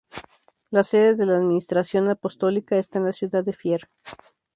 La sede de la administración apostólica está en la ciudad de Fier.